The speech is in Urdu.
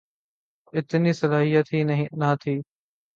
اتنی صلاحیت ہی نہ تھی۔